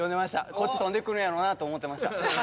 こっち飛んでくるんやろうなと思ってました。